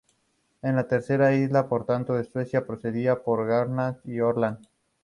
Es la tercera isla por tamaño de Suecia, precedida por Gotland y Öland.